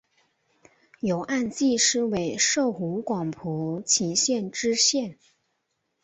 由按察司委摄湖广蒲圻县知县。